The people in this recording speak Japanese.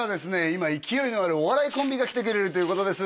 今勢いのあるお笑いコンビが来てくれます